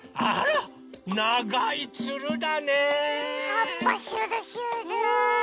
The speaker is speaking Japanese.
はっぱしゅるしゅる。